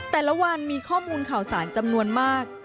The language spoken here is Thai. แต่ละวันมีข้อมูลข่าวสารจำนวนมาก